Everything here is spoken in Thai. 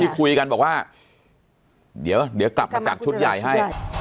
ที่คุยกันบอกว่าเดี๋ยวเดี๋ยวกลับมาจากชุดใหญ่ให้